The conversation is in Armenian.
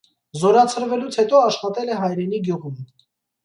Զորացրվելուց հետո աշխատել է հայրենի գյուղում։